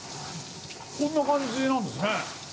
こんな感じなんですね。